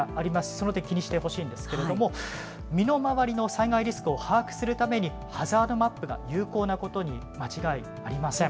その点、気にしてほしいんですけれども、身の回りの災害リスクを把握するために、ハザードマップが有効なことに間違いありません。